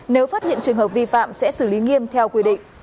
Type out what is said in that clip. nếu phát hiện trường hợp vi phạm sẽ xử lý nghiêm theo quy định